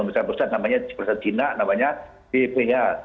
yang berusaha jinak namanya bph